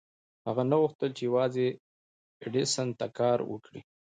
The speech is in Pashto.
هغه نه غوښتل چې يوازې ايډېسن ته کار وکړي.